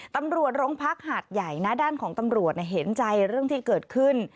ตำรวจโรงพักหาดใหญ่นะด้านของตำรวจเห็นใจเรื่องที่เกิดขึ้น